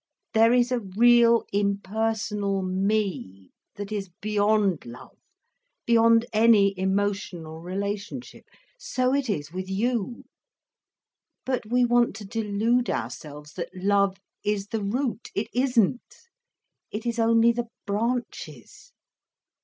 There is a real impersonal me, that is beyond love, beyond any emotional relationship. So it is with you. But we want to delude ourselves that love is the root. It isn't. It is only the branches.